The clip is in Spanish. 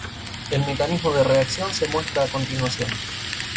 El mecanismo de reacción se muestra a continuación.